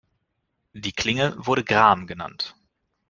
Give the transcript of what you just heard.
Die Klinge wurde Gram genannt.